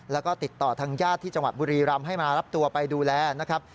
แล้วก็ติดต่อทางญาติที่จังหวัดบุรีรำให้มารับตัวไปดูแลนะครับ